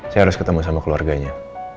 saya harus ketemu sama keluarganya